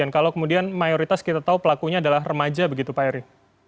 kalau kemudian mayoritas kita tahu pelakunya adalah remaja begitu pak eri